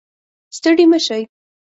ستړي مه شئ